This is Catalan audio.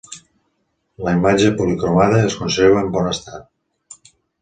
La imatge policromada es conserva en bon estat.